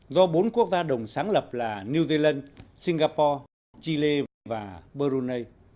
do bốn quốc gia đồng sáng lập là new zealand singapore chile và brunei